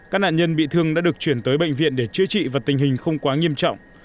các nạn nhân bị thương đã được chuyển tới bệnh viện để chữa trị và tình hình không quá nghiêm trọng